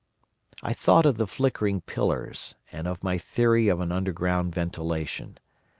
"I thought of the flickering pillars and of my theory of an underground ventilation.